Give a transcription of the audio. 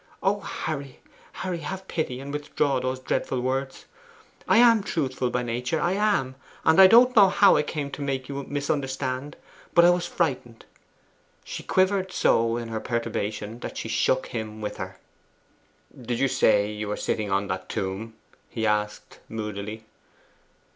O Harry, Harry, have pity, and withdraw those dreadful words! I am truthful by nature I am and I don't know how I came to make you misunderstand! But I was frightened!' She quivered so in her perturbation that she shook him with her {Note: sentence incomplete in text.} 'Did you say you were sitting on that tomb?' he asked moodily.